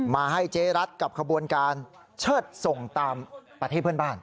มาให้เจ๊รัฐกับขบวนการเชิดส่งตามประเทศเพื่อนบ้าน